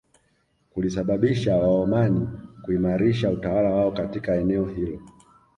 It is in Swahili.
Kulisababisha Waomani kuimarisha utawala wao katika eneo hilo